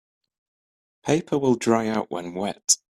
Paper will dry out when wet.